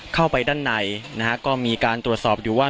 เข้าไปด้านในนะฮะก็มีการตรวจสอบอยู่ว่า